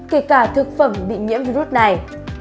kể cả thực phẩm bị nhiễm virus này